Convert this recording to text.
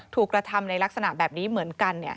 กระทำในลักษณะแบบนี้เหมือนกัน